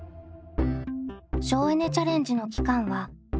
省エネ・チャレンジの期間は２週間。